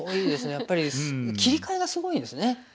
やっぱり切り替えがすごいんですね